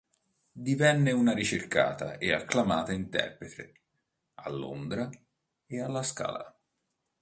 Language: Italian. Divenne una ricercata e acclamata interprete a Londra e alla Scala.